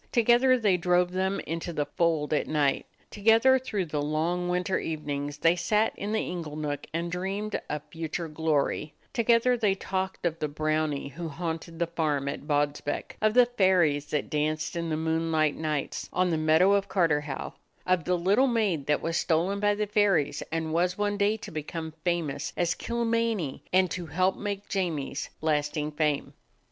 Together they drove them into the fold at night; together through the long winter evenings they sat in the ingle nook and dreamed of future glory; together they talked of the brownie who haunted the farm at Bodsbeck, of the fairies that danced in the moonlight nights on the meadow of Carterhaugh, of the little maid that was stolen by the fairies and was one day to become famous as "Kilmeny," and to help make Jamie's lasting fame.